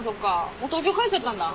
もう東京帰っちゃったんだ。